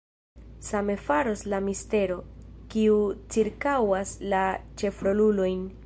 Same faros la mistero, kiu cirkaŭas la ĉefrolulojn.